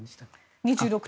２６